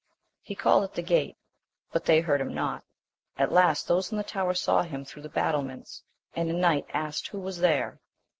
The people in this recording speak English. He called at the gate, but they heard him not ; at last those in the tower saw him through the battlements, and a knight asked who was there?